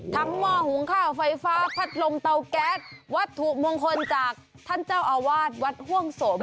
หม้อหุงข้าวไฟฟ้าพัดลงเตาแก๊สวัตถุมงคลจากท่านเจ้าอาวาสวัดห่วงสม